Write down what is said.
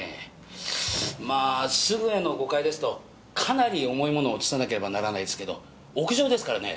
まあすぐ上の５階ですとかなり重い物を落とさなければならないですけど屋上ですからね。